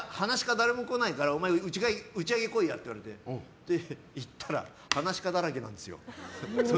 誰も来ないから打ち上げ来いやって言われて行ったら噺家だらけなんですよ。